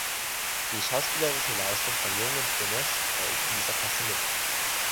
Die schauspielerische Leistung von Jung und Benesch hält in dieser Klasse mit.